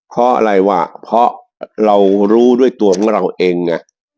เพราะอะไรวะเพราะเรารู้ด้วยตัวของเราเองไง